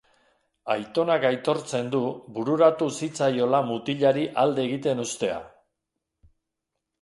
Aitonak aitortzen du bururatu zitzaiola mutilari alde egiten uztea.